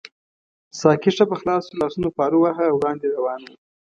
ساقي ښه په خلاصو لاسونو پارو واهه او وړاندې روان وو.